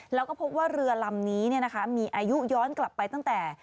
แล้วก็พบว่าเรือลำนี้มีอายุย้อนกลับไปตั้งแต่